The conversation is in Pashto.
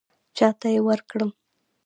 چاته یې ورکړم.